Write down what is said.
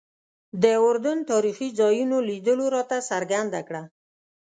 د اردن تاریخي ځایونو لیدلو راته څرګنده کړه.